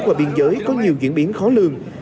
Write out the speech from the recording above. trên đường dưới có nhiều diễn biến khó lường